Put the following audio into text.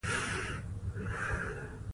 وګړي د افغانستان د جغرافیوي تنوع مثال دی.